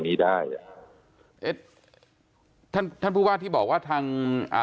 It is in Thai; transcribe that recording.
นี้ได้อะเอ่อท่านท่านผู้พูดค่ะที่บอกว่าทั้งอ่า